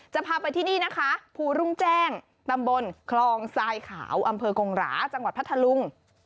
จะพาไปที่นี่นะคะภูรุ่งแจ้งตำบลคลองทรายขาวอำเภอกงหราจังหวัดพัทธลุง